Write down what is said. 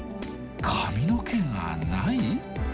髪の毛がない？